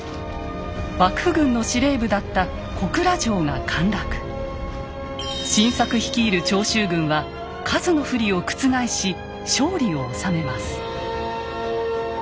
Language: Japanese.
幕府軍の司令部だった晋作率いる長州軍は数の不利を覆し勝利を収めます。